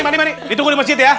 ditunggu di masjid ya